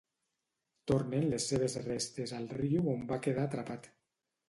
Tornen les seves restes al riu on va quedar atrapat.